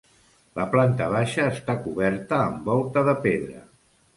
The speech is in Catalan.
La planta baixa està coberta amb volta de pedra.